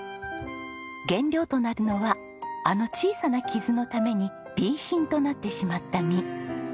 原料となるのはあの小さな傷のためにＢ品となってしまった実。